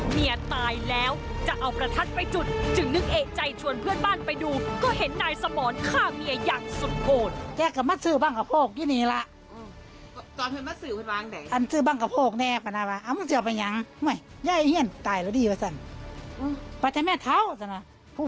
เมียตายแล้วจะเอาประทัดไปจุดจึงนึกเอกใจชวนเพื่อนบ้านไปดู